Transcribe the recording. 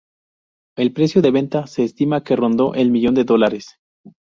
El precio de venta se estima que rondó el millón de dólares.